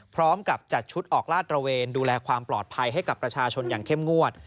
พร้อมกับจัดชุดออกลาดตระเวนดูแลความปลอดภัยให้กับประชาชนอย่างเข้มงวด